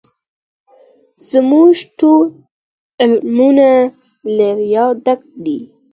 زموږ ټول عملونه له ریا ډک دي